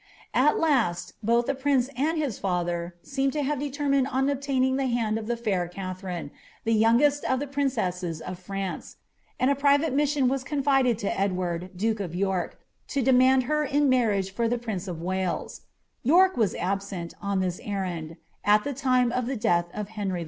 At last, both the prince and his father aeeoie ' determined on obtaining the hand of the fair Catherine, the yi the princesses of France, and a private mission was con^ded m duke of York, to demand her in marriage for the prince of Wale wai absent, on this errand, at the lime of the death of Henry IV.